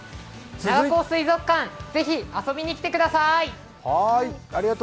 長高水族館、ぜひ遊びにきてください。